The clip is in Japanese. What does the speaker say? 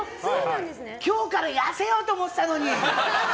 今日から痩せようと思ってたのに！